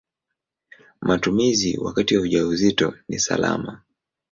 Matumizi wakati wa ujauzito ni salama.